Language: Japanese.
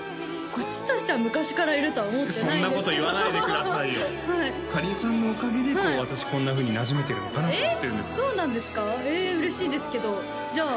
こっちとしては昔からいるとは思ってないんですけどそんなこと言わないでくださいよかりんさんのおかげで私こんなふうになじめてるのかなって思ってるんですえっそうなんですかえ嬉しいですけどじゃあ